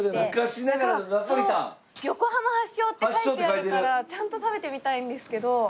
「横浜発祥」って書いてあるからちゃんと食べてみたいんですけど。